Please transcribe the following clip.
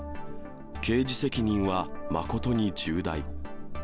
刑事責任は誠に重大。